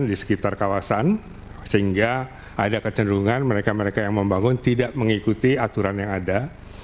di sekitar kawasan sehingga ada kecenderungan mereka mereka yang membangun tidak mengikuti aturan yang ada